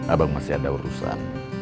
abang masih ada urusan